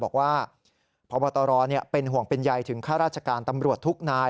บอกว่าพบตรเป็นห่วงเป็นใยถึงข้าราชการตำรวจทุกนาย